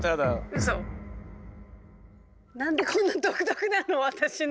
何でこんな独特なの？